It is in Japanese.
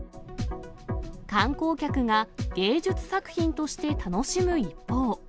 観光客が芸術作品として楽しむ一方。